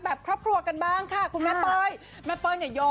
แบบครอบครัวกันบ้างค่ะคุณมาเปย